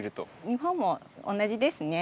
日本も同じですね。